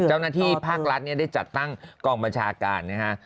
เจ้าหน้าที่ภาครัฐเนี่ยได้จัดตั้งกองบัญชาการนะฮะ